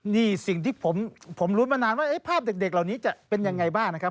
นี่สิ่งที่ผมรุ้นมานานว่าภาพเด็กเหล่านี้จะเป็นยังไงบ้างนะครับ